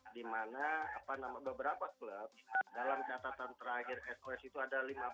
di mana beberapa klub dalam catatan terakhir exco pssi itu ada lima belas klub